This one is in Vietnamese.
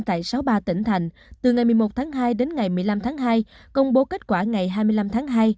tại sáu mươi ba tỉnh thành từ ngày một mươi một tháng hai đến ngày một mươi năm tháng hai công bố kết quả ngày hai mươi năm tháng hai